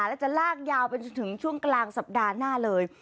แล้วจะลากยาวไปจนถึงช่วงกลางสัปดาห์หน้าเลย